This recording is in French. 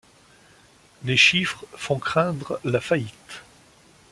Les chiffres font craindre la faillite.